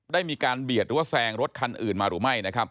ได้มีการเบียดหรือแซงรถคันอื่นมาหรือไม่